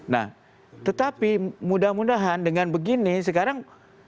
nah tetapi mudah mudahan dengan begini sekarang